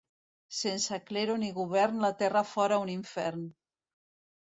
Sense clero ni govern la terra fora un infern.